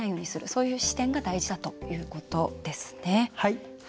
そういう視点が大事だということですね。